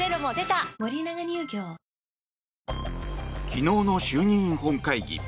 昨日の衆議院本会議。